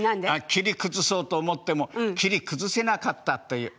切り崩そうと思っても切り崩せなかったという。